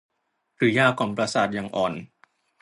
หรือยากล่อมประสาทอย่างอ่อน